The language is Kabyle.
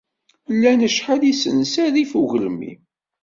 Llan acḥal n yisensa rrif ugelmim.